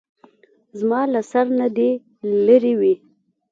زما له سر نه دې لېرې وي.